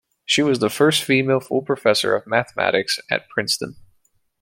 She was the first female full professor of mathematics at Princeton.